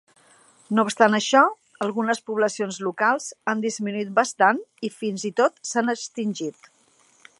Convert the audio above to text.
No obstant això, algunes poblacions locals han disminuït bastant i, fins i tot, s'han extingit.